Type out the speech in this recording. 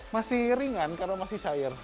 masih ringan karena masih cair